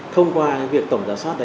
không qua việc tổng giáo soát